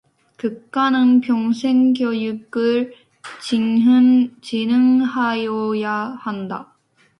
국가는 평생교육을 진흥하여야 한다.